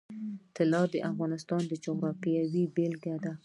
طلا د افغانستان د جغرافیې بېلګه ده.